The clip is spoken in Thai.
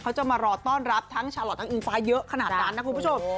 เขาจะมารอต้อนรับทั้งชาลอททั้งอิงฟ้าเยอะขนาดนั้นนะคุณผู้ชม